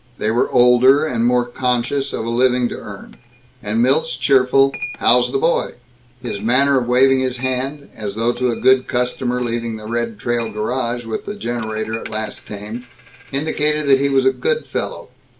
They were older, and more conscious of a living to earn. And Milt's cheerful, "How's the boy?" his manner of waving his hand as though to a good customer leaving the Red Trail Garage with the generator at last tamed indicated that he was a "good fellow."